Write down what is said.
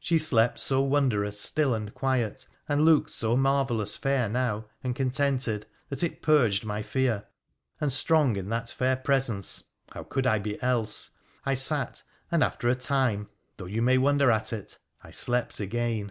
She slept so vondrous still and quiet, and looked so marvellous fair now, tnd contented, that it purged my fear, and, strong in that air presence — how could I be else ?— I sat, and after a time, hough you may wonder at it, I slept again.